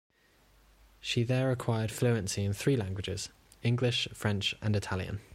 She there acquired fluency in three languages, English, French, and Italian.